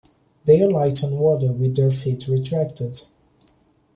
They alight on water with their feet retracted.